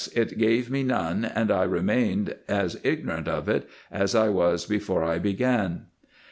it gave me none, and I remained as ignorant of it as I was before I began.